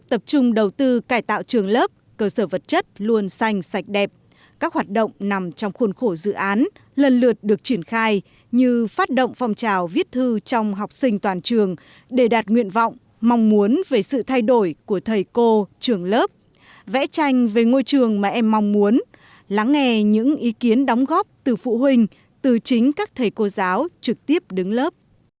trường lớp cơ sở vật chất luôn xanh sạch đẹp các hoạt động nằm trong khuôn khổ dự án lần lượt được triển khai như phát động phòng trào viết thư trong học sinh toàn trường để đạt nguyện vọng mong muốn về sự thay đổi của thầy cô trường lớp vẽ tranh về ngôi trường mà em mong muốn lắng nghe những ý kiến đóng góp từ phụ huynh từ chính các thầy cô giáo trực tiếp đứng lớp